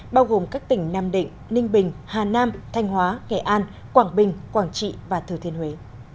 bao gồm các tỉnh nam định ninh bình hà nam thanh hóa nghệ an quảng bình quảng trị và thừa thiên huế